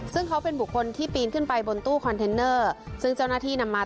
ซึ่งเขาเป็นบุคคลที่ปีนขึ้นไปบนตู้คอนเทนเนอร์ซึ่งเจ้าหน้าที่นำมา